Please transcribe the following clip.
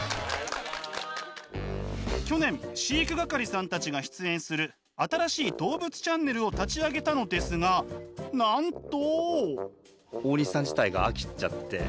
去年飼育係さんたちが出演する新しい動物チャンネルを立ち上げたのですがなんと。